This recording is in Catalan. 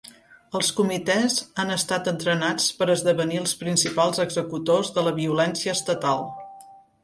Els Comitès han estat entrenats per esdevenir els principals executors de la violència estatal.